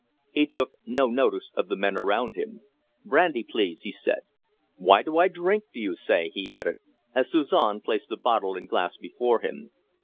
He took no notice of the men around him. "Brandy, please!" he said. "Why do I drink, do you say?" he added, as Suzon placed the bottle and glass before him.